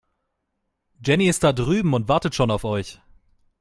Jenny ist da drüben und wartet schon auf euch.